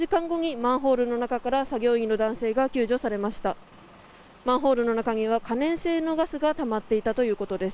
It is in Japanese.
マンホールの中には可燃性のガスがたまっていたということです。